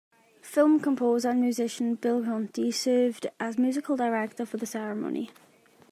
Film composer and musician Bill Conti served as musical director for the ceremony.